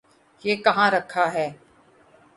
یہ کہاں رکھا ہے؟